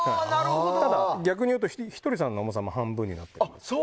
逆に言うと、ひとりさんの重さも半分になっているので。